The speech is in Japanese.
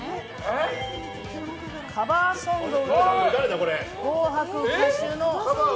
カバーソングを歌う「紅白」歌手。